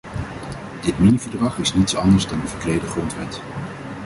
Dit miniverdrag is niet anders dan een verklede grondwet.